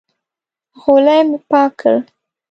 غولی مې پاک کړ.